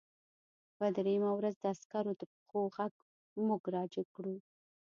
په درېیمه ورځ د عسکرو د پښو غږ موږ راجګ کړو